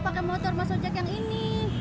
pake motor mas ojak yang ini